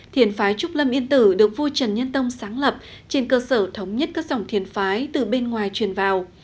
thiền phái trúc lâm yên tử được vua trần nhân tông sáng lập trên cơ sở thống nhất các dòng thiền phái từ bên ngoài truyền vào